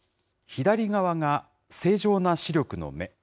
左側が正常な視力の目。